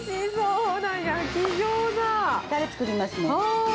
たれ作りますね。